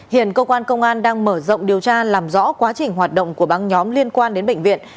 hiện cơ quan công an đang mở rộng điều tra làm rõ quá trình hoạt động của băng nhóm liên quan đến bệnh viện